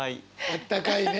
あったかいね。